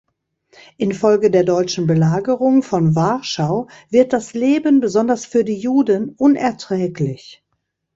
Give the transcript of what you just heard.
Infolge der deutschen Belagerung von Warschau wird das Leben besonders für die Juden unerträglich.